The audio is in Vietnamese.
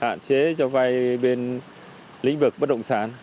hạn chế cho vay bên lĩnh vực bất động sản